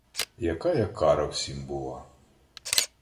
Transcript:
Якая кара всім була.